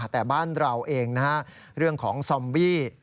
แต่บ้านเราเองนะฮะเรื่องของซอมบี้